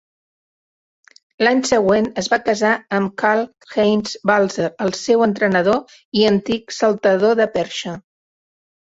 L'any següent es va casar amb Karl-Heinz Balzer, el seu entrenador i antic saltador de perxa.